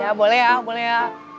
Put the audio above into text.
ya boleh ah boleh ya